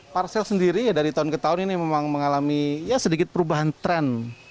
parsel sendiri ya dari tahun ke tahun ini memang mengalami ya sedikit perubahan tren